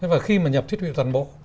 và khi mà nhập thiết bị toàn bộ